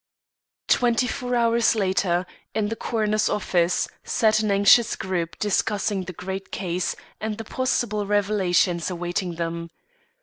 Twenty four hours later, in the coroner's office, sat an anxious group discussing the great case and the possible revelations awaiting them.